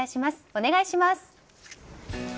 お願いします。